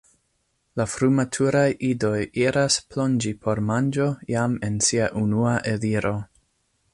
La frumaturaj idoj iras plonĝi por manĝo jam en sia unua eliro.